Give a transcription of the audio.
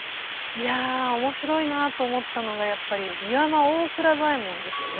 いや面白いなと思ったのがやっぱり「岩間大蔵左衛門」ですかね。